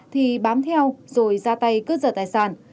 thì bám theo rồi ra tay cướp giật tài sản